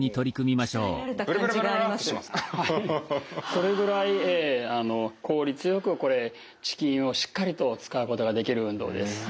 それぐらい効率よくこれ遅筋をしっかりと使うことができる運動です。